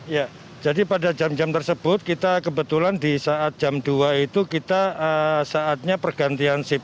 ya jadi pada jam jam tersebut kita kebetulan di saat jam dua itu kita saatnya pergantian sip